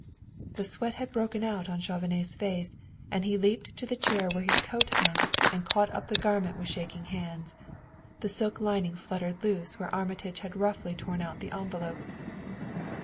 The sweat had broken out on Chauvenet's face and he leaped to the chair where his coat hung, and caught up the garment with shaking hands. The silk lining fluttered loose where Armitage had roughly torn out the envelope.